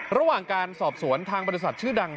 ระหว่างการสอบสวนทางบริษัทชื่อดัง